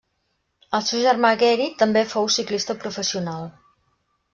El seu germà Gary també fou ciclista professional.